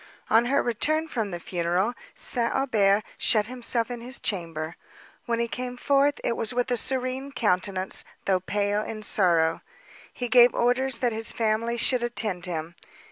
On his return from the funeral, St. Aubert shut himself in his chamber. When he came forth, it was with a serene countenance, though pale in sorrow. He gave orders that his family should attend him.